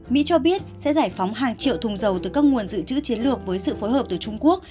mỹ cho biết sẽ giải phóng hàng triệu thùng dầu từ các nguồn dự trữ chiến lược với sự phối hợp từ trung quốc